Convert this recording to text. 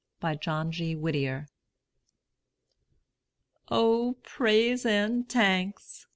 BY JOHN G. WHITTIER. O praise and tanks!